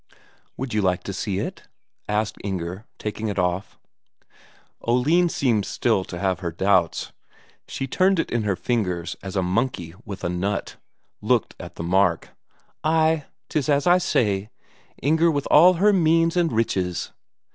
"Would you like to see it?" asked Inger, taking it off. Oline seemed still to have her doubts; she turned it in her fingers as a monkey with a nut, looked at the mark. "Ay, 'tis as I say; Inger with all her means and riches."